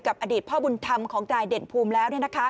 อดีตพ่อบุญธรรมของนายเด่นภูมิแล้ว